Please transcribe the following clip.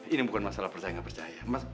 ini bukan masalah percaya nggak percaya